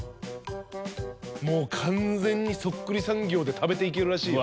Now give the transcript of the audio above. もう完全にそっくりさん業で食べていけるらしいよ。